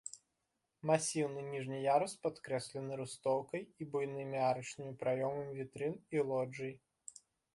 Масіўны ніжні ярус падкрэслены рустоўкай і буйнымі арачнымі праёмамі вітрын і лоджый.